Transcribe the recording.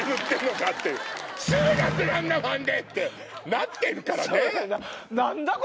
なってるからね！